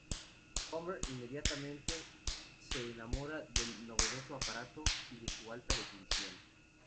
Homer, inmediatamente, se enamora del novedoso aparato y de su alta definición.